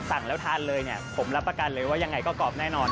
สั่งแล้วทานเลยเนี่ยผมรับประกันเลยว่ายังไงก็กรอบแน่นอน